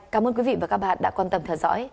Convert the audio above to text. cảm ơn quý vị và các bạn đã quan tâm theo dõi